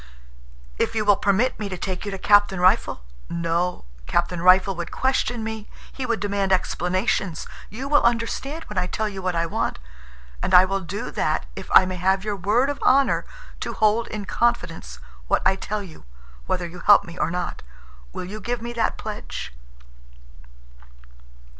"If you will permit me to take you to Captain Rifle—" "No. Captain Rifle would question me. He would demand explanations. You will understand when I tell you what I want. And I will do that if I may have your word of honor to hold in confidence what I tell you, whether you help me or not. Will you give me that pledge?"